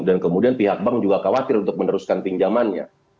dan kemudian pihak bank juga khawatir untuk meneruskan pinjamannya